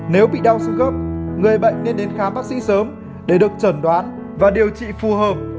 nếu bị đau sức khớp người bệnh nên đến khám bác sĩ sớm để được chẩn đoán và điều trị phù hợp